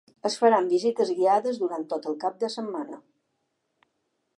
Es faran visites guiades durant tot el cap de setmana.